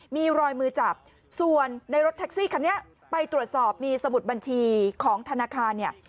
มีรอยมือจับส่วนในรถแท็กซี่คันนี้ไปตรวจสอบมีสมุดบัญชีของธนาคารเนี่ย